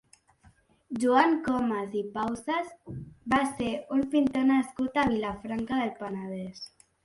Joan Comas i Pausas va ser un pintor nascut a Vilafranca del Penedès.